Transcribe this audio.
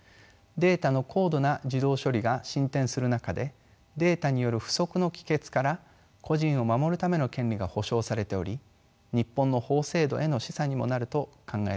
データの高度な自動処理が進展する中でデータによる不測の帰結から個人を守るための権利が保障されており日本の法制度への示唆にもなると考えられます。